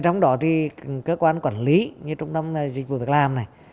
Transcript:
trong đó thì cơ quan quản lý như trung tâm dịch vụ việc làm này